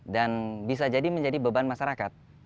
bisa jadi menjadi beban masyarakat